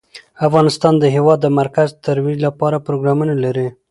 افغانستان د هېواد د مرکز ترویج لپاره پروګرامونه لري.